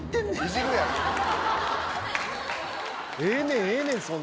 ええねんええねん！